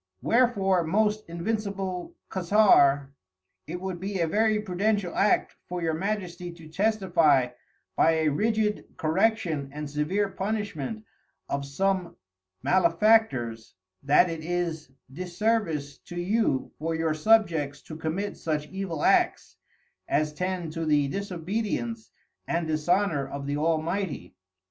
Wherefore, Most Invincible Casar, it would be a very prudential Act for your Majesty to testifie by a rigid Correction and severe Punishment of some Malefactors, that it is disservice to you for your Subjects to commit such Evil Acts, as tend to the Disobedience and Dishonour of the Almighty.